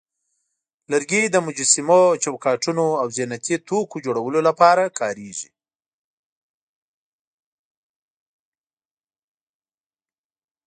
لرګي د مجسمو، چوکاټونو، او زینتي توکو جوړولو لپاره کارېږي.